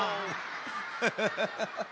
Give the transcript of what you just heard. ハハハハハッ。